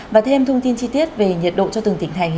và thêm thông tin chi tiết về nhiệt độ cho từng tỉnh thành